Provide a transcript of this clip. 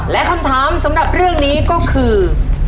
และคำถามสำหรับเรื่องนี้ก็คือ